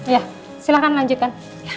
ya silahkan lanjutkan